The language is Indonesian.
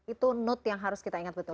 itu note yang harus kita ingat betul